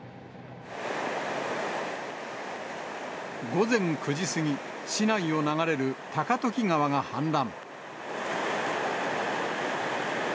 午前９時過ぎ、市内を流れる高時川が氾濫。